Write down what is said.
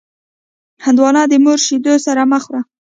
هندوانه د مور شیدو سره مه خوره.